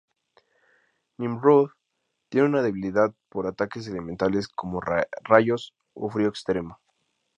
Nimrod tiene una debilidad por ataques elementales como rayos o frío extremo.